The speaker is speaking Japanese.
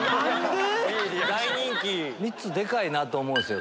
３つでかいなと思うんすよ